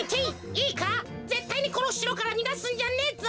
いいかぜったいにこのしろからにがすんじゃねえぞ。